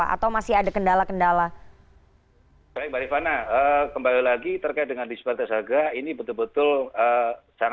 atau masih ada kendala kendala